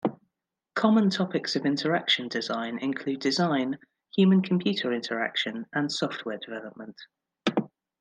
Common topics of interaction design include design, human-computer interaction, and software development.